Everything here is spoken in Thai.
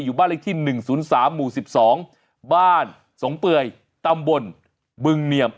อยู่บ้านเลขที่หนึ่งศูนย์สามหมู่สิบสองบ้านสงเปรยตำบลบึงเนียม